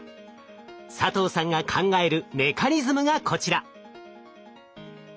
佐藤さんが考えるメカニズムがこちら。